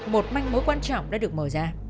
một manh mối quan trọng đã được mở ra